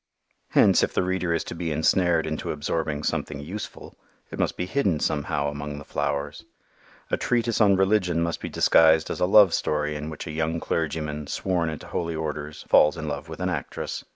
Hence if the reader is to be ensnared into absorbing something useful, it must be hidden somehow among the flowers. A treatise on religion must be disguised as a love story in which a young clergyman, sworn into holy orders, falls in love with an actress.